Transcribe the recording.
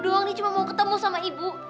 dia cuma mau ketemu sama ibu